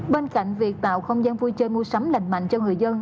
bên cạnh việc tạo không gian vui chơi mua sắm lành mạnh cho người dân